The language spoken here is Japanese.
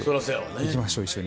行きましょう一緒に。